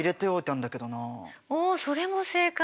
おそれも正解。